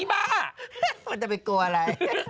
มันจะไม่กลัวอะไร